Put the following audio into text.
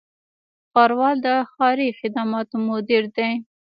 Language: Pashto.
ښاروال د ښاري خدماتو مدیر دی